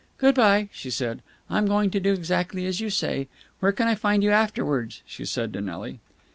"Good bye," she said. "I'm going to do exactly as you say. Where can I find you afterwards?" she said to Nelly.